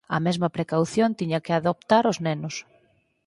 A mesma precaución tiñan que adoptar os nenos.